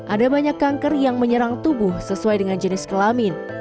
ada banyak kanker yang menyerang tubuh sesuai dengan jenis kelamin